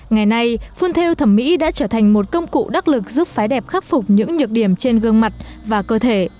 ngày nay phun theo thẩm mỹ đã trở thành một công cụ đắc lực giúp phái đẹp khắc phục những nhược điểm trên gương mặt và cơ thể